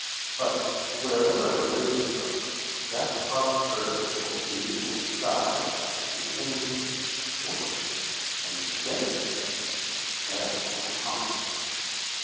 But wherever a ray struck, that part of earth, or sea, or sky, became void, and desert, and sad to my heart.